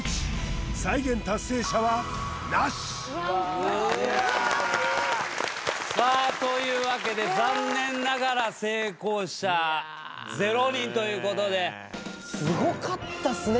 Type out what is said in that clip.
クッソ・いやさあというわけで残念ながら成功者Ｏ人ということですごかったっすね